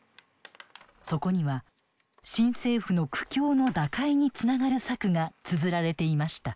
そこには新政府の苦境の打開につながる策がつづられていました。